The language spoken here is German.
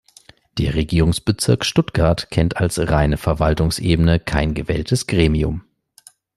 Der Regierungsbezirk Stuttgart kennt als reine Verwaltungsebene kein gewähltes Gremium.